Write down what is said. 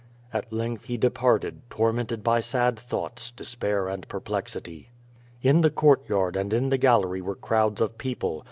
At length he departed, tormented by sad thoughts, despair and perplexity. In the courtyard and in the gallery were crowds of people.